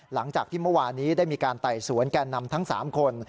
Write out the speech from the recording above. หลังจากที่เมื่อวานี้ได้มีการไต่สวนแก่นำทั้ง๓คน